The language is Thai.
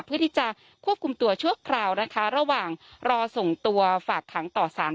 เพื่อที่จะควบคุมตัวชั่วคราวนะคะระหว่างรอส่งตัวฝากขังต่อสาร